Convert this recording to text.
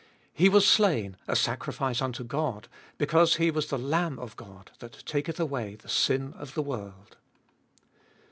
He was slain, a sacrifice unto God, be cause He was the Lamb of God that taketh away the sin of the world.